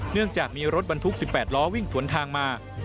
เนื่องจากมีรถบรรทุก๑๘ล้อวิ่งสวนทางมา